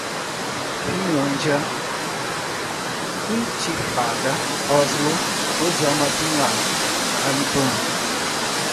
Finlândia, intifada, Oslo, Osama Bin Laden, Talibã